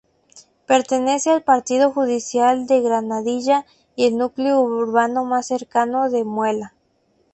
Pertenece al partido judicial de Granadilla y el núcleo urbano más cercano es Muela.